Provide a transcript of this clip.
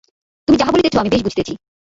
তুমি যাহা বলিতেছ আমি বেশ বুঝিতেছি।